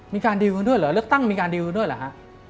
มีการดีลกันด้วยเหรอเลือกตั้งมีการดีลด้วยเหรอฮะ